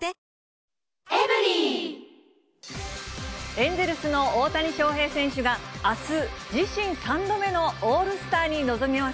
エンゼルスの大谷翔平選手が、あす、自身３度目のオールスターに臨みます。